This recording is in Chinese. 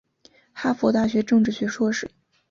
哈佛大学政治学硕士。